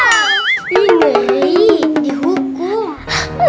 ini nih dihukum